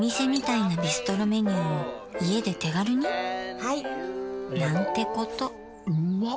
はい！なんてことうまっ！